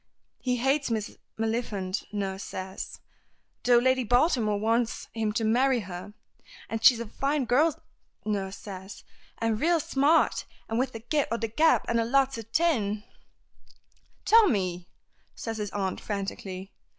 "He hates Miss Maliphant, nurse says, though Lady Baltimore wants him to marry her, and she's a fine girl, nurse says, an' raal smart, and with the gift o' the gab, an' lots o' tin " "Tommy!" says his aunt frantically.